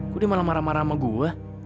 kok dia malah marah marah sama gue